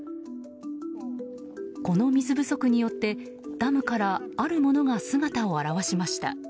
この水不足によってダムからあるものが姿を現しました。